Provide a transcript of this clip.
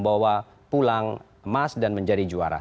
bawa pulang emas dan menjadi juara